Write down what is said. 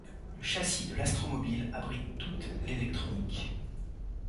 Le châssis de l'astromobile abrite toute l'électronique.